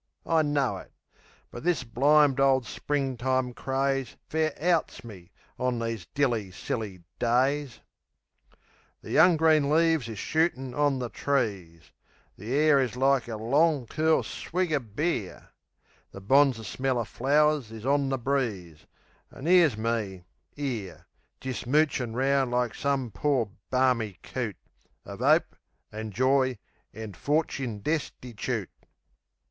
I know it; but this blimed ole Springtime craze Fair outs me, on these dilly, silly days. The young green leaves is shootin' on the trees, The air is like a long, cool swig o' beer, The bonzer smell o' flow'rs is on the breeze, An' 'ere's me, 'ere, Jist moochin' round like some pore, barmy coot, Of 'ope, an' joy, an' forchin destichoot.